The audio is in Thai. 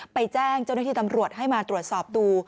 ไปแจ้งเจ้าหน้าที่ตำรวจให้มาตรวจสอบดู